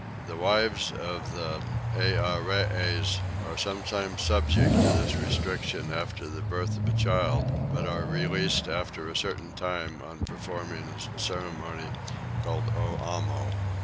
The wives of the Earees are sometimes subject to this restriction after the birth of a child but are released after a certain time on performing a ceremony called Oammo.